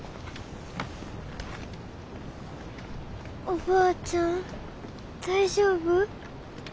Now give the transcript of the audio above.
おばあちゃん大丈夫？